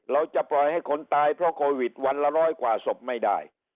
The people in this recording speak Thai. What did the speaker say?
เราจะปล่อยให้คนตายเพราะโควิดวันละร้อยกว่าศพไม่ได้